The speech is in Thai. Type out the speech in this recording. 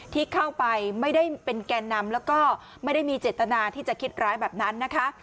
ที่เข้าไปไม่ได้เป็นแกนนำแล้วก็ไม่ได้มีเจตนาที่จะคิดร้ายแบบนั้นนะคะ